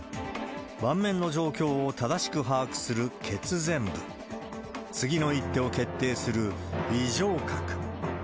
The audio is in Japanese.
盤面の状況を正しく把握するけつぜん部、次の一手を決定する、尾状核。